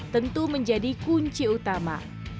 tentu menjadi kunci utama